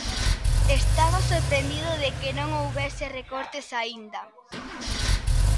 Estaba sorprendido de que non houbese recortes aínda.